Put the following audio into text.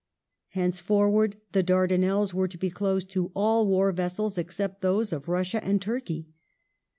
Henceforward the Dardanelles were to be closed to all war vessels except those of Russia and Turkey.